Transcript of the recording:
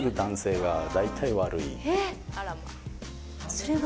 それは。